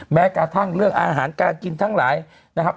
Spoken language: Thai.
แม้กระทั่งเรื่องอาหารการกินทั้งหลายนะครับ